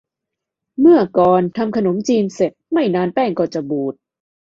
เมื่อก่อน ทำขนมจีนเสร็จ ไม่นานแป้งก็จะบูด